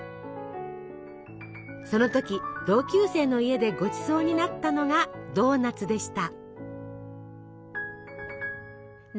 その時同級生の家でごちそうになったのがドーナツでした。